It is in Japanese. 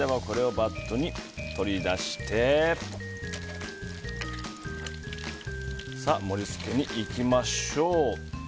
これをバットに取り出して盛り付けにいきましょう。